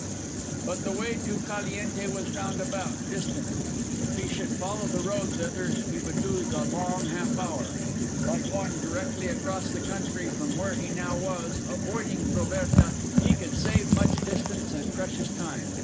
But the way to Caliente was roundabout, distant. If he should follow the road thither he would lose a long half hour. By going directly across the country from where he now was, avoiding Proberta, he could save much distance and precious time.